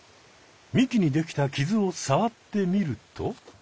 幹にできた傷をさわってみると。